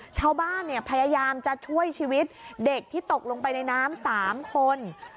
พยายามจะช่วยชีวิตเด็กที่ตกลงไปในน้ำ๓คน